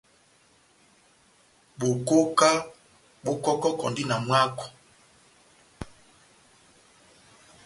Bokoka bó kɔkɔkɔndi na mwáko.